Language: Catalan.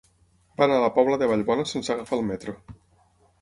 Va anar a la Pobla de Vallbona sense agafar el metro.